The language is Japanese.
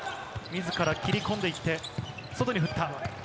みずから切り込んでいって、外に振った。